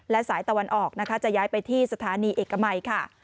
และสายตะวันออกนะคะจะย้ายไปที่สถานีเอกมัยค่ะ